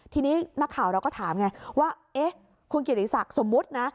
ทีนี้นักข่าวเราก็ถามไงว่าเอ๊ะคุณเกียรติศักดิ์สมมุตินะ